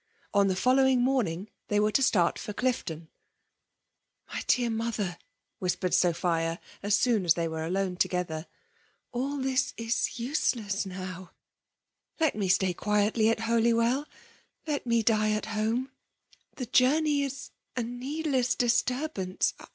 On the following morning they were to start for Clifton. " My dear mother," whispered Sophia, as soon as they were alone together, " all this is PKHALK DOMINATION. 113 useless now. Let me stay quietly at Holy well— let me die at home. The journey is a needless disturbance.